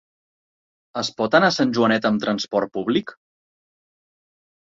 Es pot anar a Sant Joanet amb transport públic?